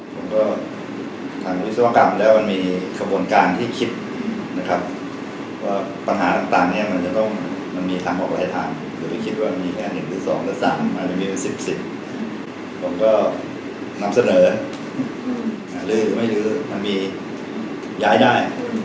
ผมก็ทางวิศวกรรมแล้วมันมีขบวนการที่คิดนะครับว่าปัญหาต่างเนี่ยมันจะต้องมันมีทางออกระยะทางอย่าไปคิดว่ามีแค่๑หรือ๒หรือ๓มันจะมีเป็น๑๐๑๐ผมก็นำเสนอลื้อหรือไม่ลื้อมันมีย้ายได้